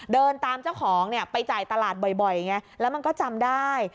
เดินตามเจ้าของไปจ่ายตลาดบ่อยอย่างนี้แล้วมันก็จำได้